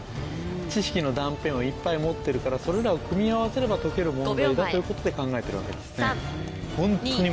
知識の断片をいっぱい持ってるからそれらを組み合わせれば解ける問題だということで考えてるわけですね。